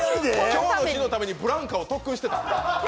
今日の日のためにブランカを特訓していた？